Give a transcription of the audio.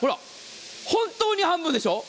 本当に半分でしょ。